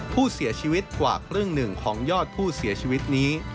ผู้เสียชีวิตกว่าครึ่งหนึ่งของยอดผู้เสียชีวิตนี้